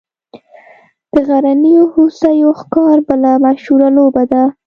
د غرنیو هوسیو ښکار بله مشهوره لوبه ده